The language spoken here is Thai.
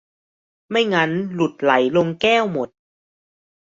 ไม่งั้นหลุดไหลลงแก้วหมด